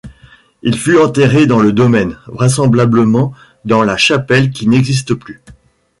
Il fut enterré dans le domaine, vraisemblablement dans la chapelle qui n'existe plus.